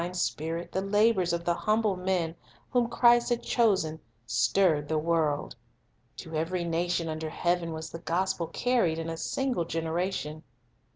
96 The Master Teacher Spirit the labors of the humble men whom Christ had chosen, stirred the world. To every nation under heaven was the gospel carried in a single generation.